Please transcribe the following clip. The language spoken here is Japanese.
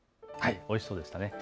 おいしそうでしたね。